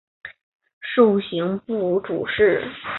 授刑部主事。